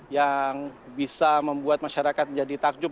yang bisa membuat masyarakat menjadi takjub